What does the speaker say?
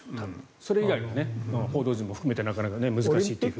それ以外は報道陣も含めてなかなか難しいと思います。